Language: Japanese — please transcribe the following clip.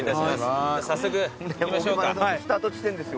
早速行きましょうか。